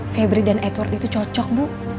febri dan edward itu cocok bu